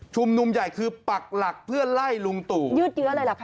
มุมใหญ่คือปักหลักเพื่อไล่ลุงตู่ยืดเยอะเลยเหรอคะ